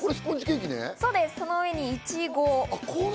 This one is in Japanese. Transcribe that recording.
その上にいちご。